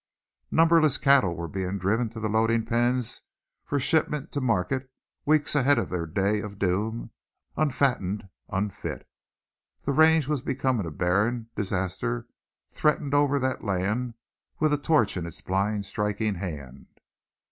Numberless cattle were being driven to the loading pens for shipment to market, weeks ahead of their day of doom, unfattened, unfit. The range was becoming a barren; disaster threatened over that land with a torch in its blind striking hand.